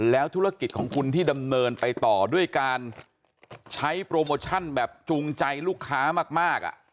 แล้วธุรกิจของคุณที่ดำเนินไปต่อด้วยการใช้โปรโมชั่นแบบจูงใจลูกค้ามาก